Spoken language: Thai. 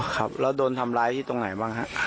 ครับแล้วโดนทำร้ายที่ตรงไหนบ้างฮะ